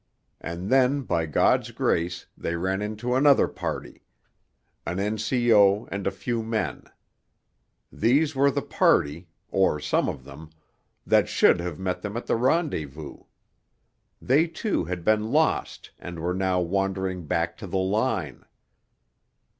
And then by God's grace they ran into another party, a N.C.O. and a few men; these were the party or some of them that should have met them at the rendezvous; they too had been lost and were now wandering back to the line.